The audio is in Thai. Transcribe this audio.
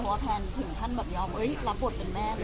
เพราะว่าแพนถึงขั้นแบบยอมรับบทเป็นแม่เลย